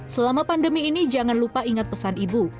selama pandemi ini jangan lupa ingat pesan ibu